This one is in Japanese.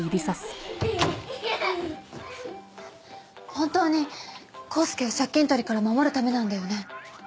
本当にコースケを借金取りから守るためなんだよね？